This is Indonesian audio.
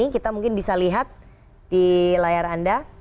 kita mungkin bisa lihat di layar anda